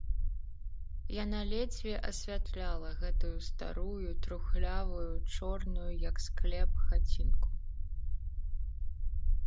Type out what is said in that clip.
Яна ледзьве асвятляла гэтую старую, трухлявую, чорную, як склеп, хацінку.